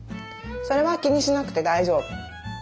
それは気にしなくて大丈夫。